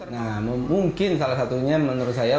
nah mungkin salah satunya menurut saya